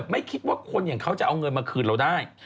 ไม่คิดว่าคนอย่างเขาจะเอาเงินมาคืนเราได้